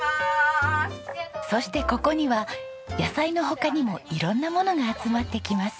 そしてここには野菜の他にも色んなものが集まってきます。